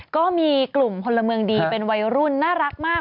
ก็มีกลุ่มพลเมืองดีเป็นวัยรุ่นน่ารักมาก